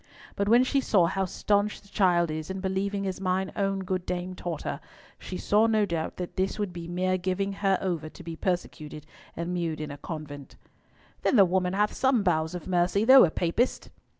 But when she saw how staunch the child is in believing as mine own good dame taught her, she saw, no doubt, that this would be mere giving her over to be persecuted and mewed in a convent." "Then the woman hath some bowels of mercy, though a Papist."